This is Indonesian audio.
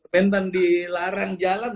mentan dilarang jalan